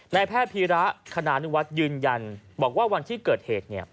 แพทย์พีระคณานุวัฒน์ยืนยันบอกว่าวันที่เกิดเหตุ